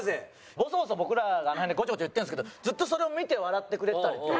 ボソボソ僕らがあの辺でゴチョゴチョ言ってるんですけどずっとそれを見て笑ってくれてたりとか。